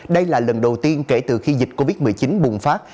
đây là lần đầu tiên kể từ khi dịch covid một mươi chín bùng phát